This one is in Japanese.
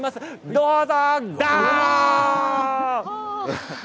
どうぞ。